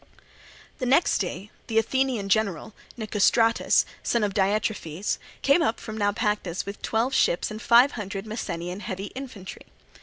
The next day the Athenian general, Nicostratus, son of Diitrephes, came up from Naupactus with twelve ships and five hundred Messenian heavy infantry.